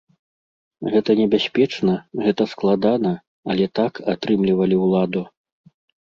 Гэта небяспечна, гэта складана, але так атрымлівалі ўладу.